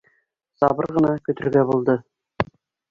Сабыр ғына көтөргә булды